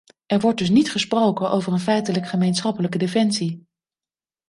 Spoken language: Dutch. Er wordt dus niet gesproken over een feitelijk gemeenschappelijke defensie.